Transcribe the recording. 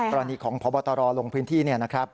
ตอนนี้ของพบตรลงพื้นที่นะครับ